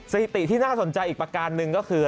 สถิติที่น่าสนใจอีกประการหนึ่งก็คือ